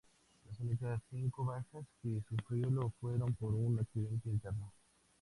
Las únicas cinco bajas que sufrió lo fueron por un accidente interno.